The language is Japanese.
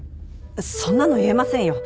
そんなの言えませんよ。